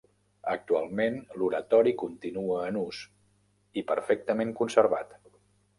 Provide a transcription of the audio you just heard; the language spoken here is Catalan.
Actualment, l'oratori continua en ús i perfectament conservat.